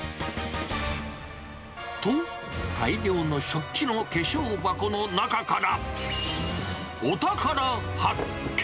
と、大量の食器の化粧箱の中から、お宝発見。